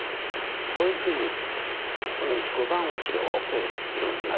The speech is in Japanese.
こういうふうにこの碁盤を広くいろんな図を作ってみる。